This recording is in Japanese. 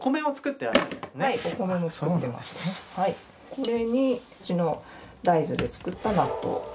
これにうちの大豆で作った納豆。